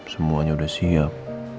semuanya udah siap